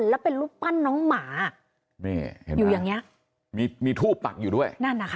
และเป็นรูปปั้นน้องหมาอยู่อย่างนี้มีทูบปักอยู่ด้วย